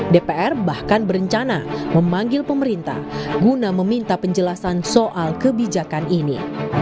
dpr bahkan berencana memanggil pemerintah guna meminta penjelasan soal kebijakan ini